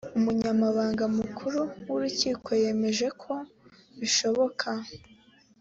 umunyamabanga mukuru w urukiko yemeje ko bishoboka